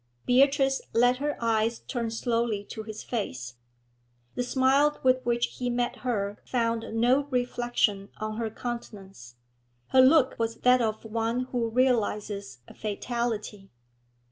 Beatrice let her eyes turn slowly to his face. The smile with which he met her found no reflection on her countenance; her look was that of one who realises a fatality.